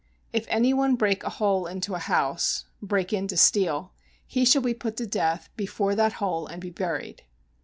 If any one break a hole into a house [break in to steal], he shall be put to death before that hole and be buried.